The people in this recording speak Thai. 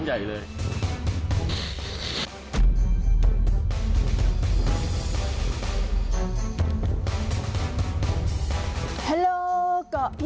สวัสดีครับ